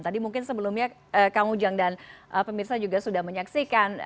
tadi mungkin sebelumnya kang ujang dan pemirsa juga sudah menyaksikan